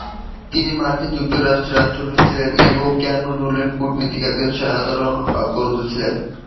তিনি মার্কিন যুক্তরাষ্ট্রে রাষ্ট্রদূত ছিলেন এবং ক্যামেরুনের কূটনীতির একজন অগ্রদূত ছিলেন।